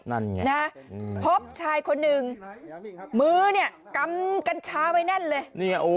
นั่นไงนะพบชายคนหนึ่งมือเนี่ยกำกัญชาไว้แน่นเลย